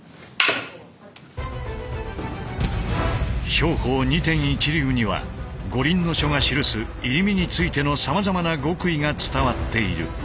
兵法二天一流には「五輪書」が記す入身についてのさまざまな極意が伝わっている。